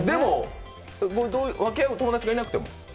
分け合う友達がいなくても？